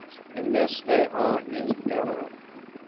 In this they are in error.